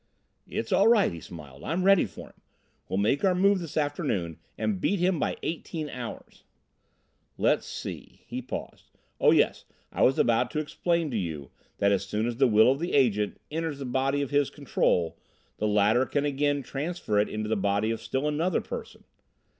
"It's all right," he smiled, "I'm ready for him. We'll make our move this afternoon and beat him by eighteen hours. "Let's see." He paused. "Oh! yes. I was about to explain to you that as soon as the will of the Agent enters the body of his Control, the latter can again transfer it into the body of still another person.